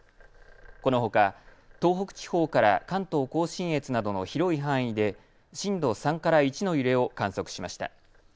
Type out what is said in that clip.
このほか東北地方から関東・甲信越などの広い範囲で震度３から１の揺れを観測しました。